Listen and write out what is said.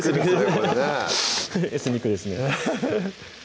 これねエスニックですね